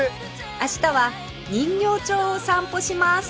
明日は人形町を散歩します